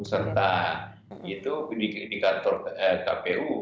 serta itu di kantor kpu